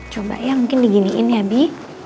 coba ya mungkin diginiin ya bi